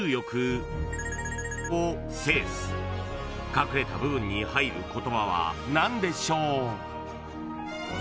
［隠れた部分に入る言葉は何でしょう？］